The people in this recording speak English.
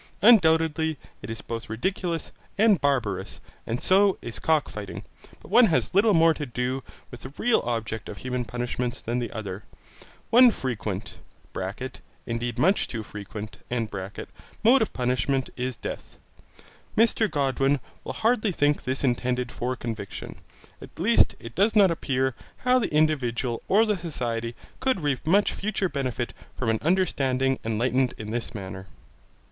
Undoubtedly it is both ridiculous and barbarous, and so is cock fighting, but one has little more to do with the real object of human punishments than the other. One frequent (indeed much too frequent) mode of punishment is death. Mr Godwin will hardly think this intended for conviction, at least it does not appear how the individual or the society could reap much future benefit from an understanding enlightened in this manner.